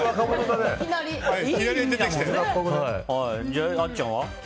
じゃあ、あっちゃんは？